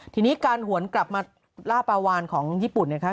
ทีนี้การหวนกลับมาล่าปลาวานของญี่ปุ่นเนี่ยค่ะ